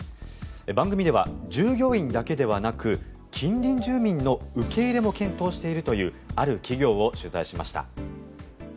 番組では従業員だけではなく近隣住民の受け入れも検討しているというある企業を取材しました。